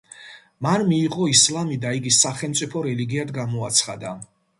მან მიიღო ისლამი და იგი სახელმწიფო რელიგიად გამოაცხადა.